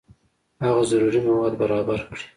هغه ضروري مواد برابر کړي.